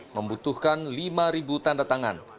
membutuhkan lima tanda tangan